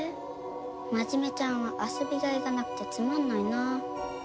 真面目ちゃんは遊びがいがなくてつまんないなあ。